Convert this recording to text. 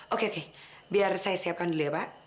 oke oke biar saya siapkan dulu ya pak